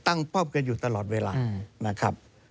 ตั้งป้องกันอยู่ตลอดเวลา